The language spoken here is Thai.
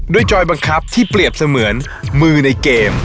จอยบังคับที่เปรียบเสมือนมือในเกม